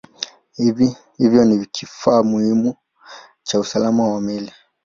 Hivyo ni kifaa muhimu cha usalama wa meli.